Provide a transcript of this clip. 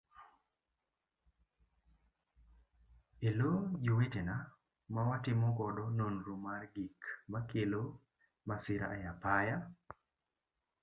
Elo jowetena ma watimo godo nonro mar gik makelo masira e apaya.